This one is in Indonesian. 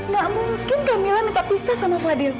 gak mungkin kamila minta berpisah sama fadil